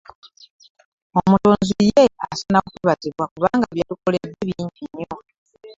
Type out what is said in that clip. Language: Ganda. Omutonzi ye asaana kwebazibwa kubanga by'atukoledde bingi nnyo.